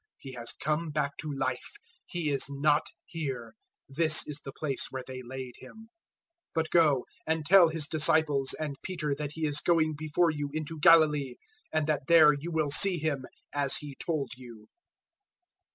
He has come back to life: He is not here: this is the place where they laid Him. 016:007 But go and tell His disciples and Peter that He is going before you into Galilee: and that there you will see Him, as He told you."